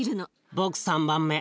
僕３番目。